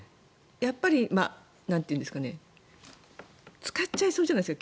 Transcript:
やっぱり使っちゃいそうじゃないですか